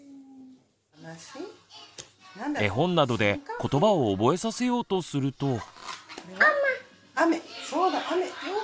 絵本などでことばを覚えさせようとすると。